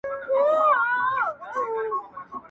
• په منځ کي مېلمنه سوه د زمان د توپانونو -